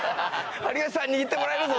「有吉さんに握ってもらえるぞ！」